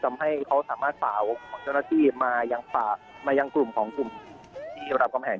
ทำให้เขาสามารถสาวของเจ้าหน้าที่มายังกลุ่มของกลุ่มที่รามกำแหง